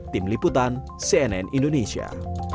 tim liputan cnn indonesia